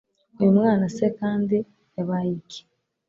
uyu mwana se kandi yabayiki!